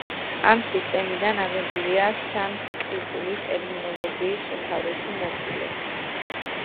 ამ სისტემიდან აღებულია სანსკრიტული ტერმინოლოგიის უმთავრესი ნაწილი.